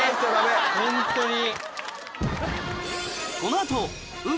ホントに。